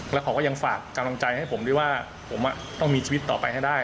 แล้วเขาก็ยังฝากกำลังใจให้ผมด้วยว่าผมต้องมีชีวิตต่อไปให้ได้